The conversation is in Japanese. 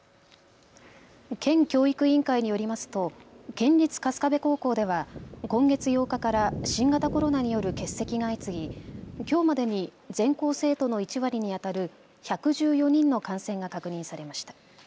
県教育委員会によりますと県立春日部高校では今月８日から新型コロナによる欠席が相次ぎきょうまでに全校生徒の１割にあたる１１４人の感染が確認されました。